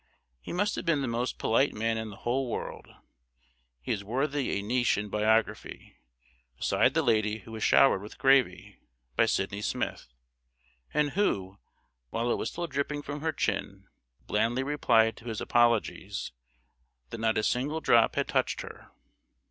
He must have been the most polite man in the whole world. He is worthy a niche in biography, beside the lady who was showered with gravy, by Sidney Smith, and who, while it was still dripping from her chin, blandly replied to his apologies, that not a single drop had touched her!